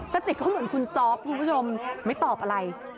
ติกเขาเหมือนคุณจ๊อปคุณผู้ชมไม่ตอบอะไร